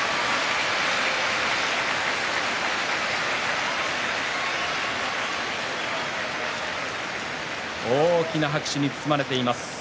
拍手大きな拍手に包まれています